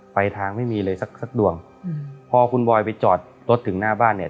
ไปทางไม่มีเลยสักสักดวงอืมพอคุณบอยไปจอดรถถึงหน้าบ้านเนี่ย